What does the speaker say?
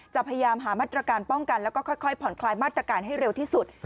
พยายามหามาตรการป้องกันแล้วก็ค่อยผ่อนคลายมาตรการให้เร็วที่สุด